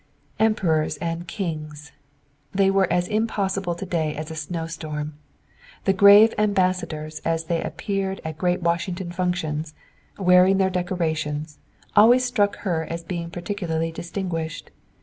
Emperors and kings! They were as impossible today as a snowstorm. The grave ambassadors as they appeared at great Washington functions, wearing their decorations, always struck her as being particularly distinguished.